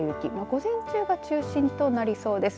午前中が中心となりそうです。